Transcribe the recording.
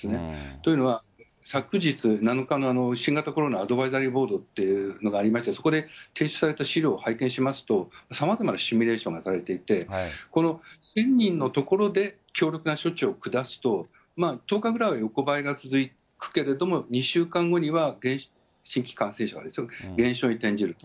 というのは、昨日７日の新型コロナのアドバイザリーボードというのがありまして、そこで提出された資料を拝見しますと、さまざまなシミュレーションがされていて、この１０００人のところで強力な措置を下すと、１０日ぐらいは横ばいが続くけれども、２週間後には新規感染者は減少に転じると。